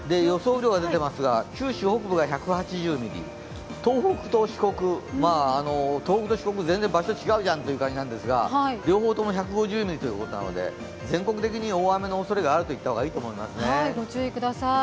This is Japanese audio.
雨量が九州北部が１８０ミリ、東北と四国、全然場所違うじゃんという感じですが両方とも１５０ミリということなので全国的に大雨のおそれがあると言っていいと思います。